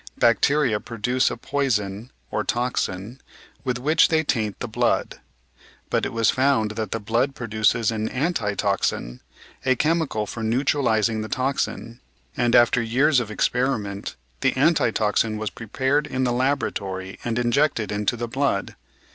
Bacteria produce a poison (or toacin) with which they taint the blood. But it was found that the blood produces an "anti toxin," a chemical for neutralising the toxin; and after years of experiment the anti toxin was prepared in the laboratory and injected into the blood.